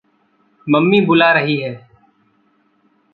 mummy बुला रही है